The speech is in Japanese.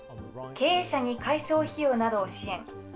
経営者に改装費用などを支援。